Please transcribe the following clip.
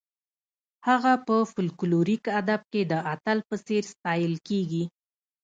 هغه په فولکلوریک ادب کې د اتل په څېر ستایل کیږي.